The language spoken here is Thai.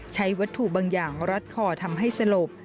ใช้วัตถุบางอย่างรัดคอทำให้สลบ